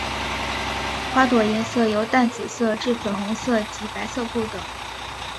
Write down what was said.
花朵颜色由淡紫色至粉红色及白色不等。